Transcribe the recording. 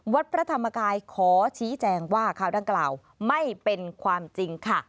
วัดพระธรรมกายขอชี้แจงว่าข่าวดังกล่าวไม่เป็นความจริงค่ะ